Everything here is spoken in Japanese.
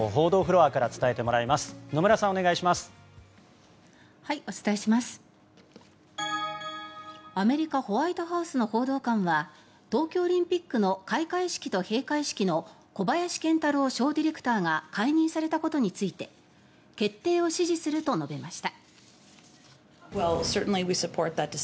アメリカホワイトハウスの報道官は東京オリンピックの開会式と閉会式の小林賢太郎ショーディレクターが解任されたことについて決定を支持すると述べました。